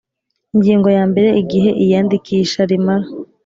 Ingingo ya mbere Igihe iyandikisha rimara